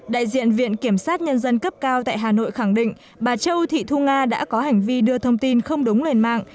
đại diện viện kiểm sát nhân dân cấp cao tại hà nội khẳng định bà châu thị thu nga đã có hành vi đưa thông tin không đúng lên mạng